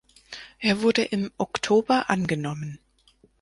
Er wurde im Oktober angenommen.